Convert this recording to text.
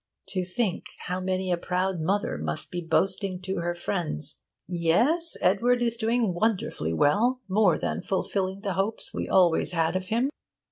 To think how many a proud mother must be boasting to her friends: 'Yes, Edward is doing wonderfully well more than fulfilling the hopes we always had of him.